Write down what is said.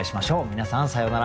皆さんさようなら。